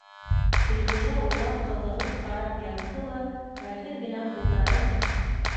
Илғужа уға ҡыҙығып ҡарап ятты ла хәлһеҙ генә ҡулдары